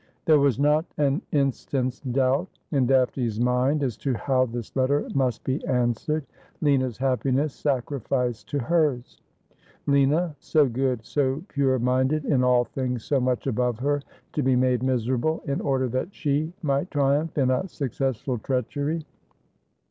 There was not an irstant's doubt in Daphne's mind as to how this letter must be answered. Lina's happiness sacrificed to hers ! Lina, so good, so pure minded, in all things so much above her, to be made miserable, in order that she might triumph in a successful treachery